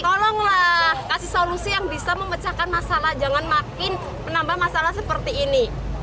tolonglah kasih solusi yang bisa memecahkan masalah jangan makin menambah masalah seperti ini